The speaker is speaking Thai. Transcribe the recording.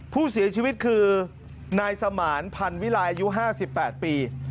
ผู้เสียชีวิตคือนายสมานพันวิลัยอายุ๕๘ปี